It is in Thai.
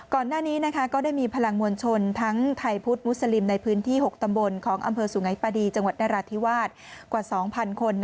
ก่อนหน้านี้ก็ได้มีพลังมวลชนทั้งไทยพุทธมุสลิมในพื้นที่๖ตำบลของอำเภอสุงัยปาดีจังหวัดนราธิวาสกว่า๒๐๐คน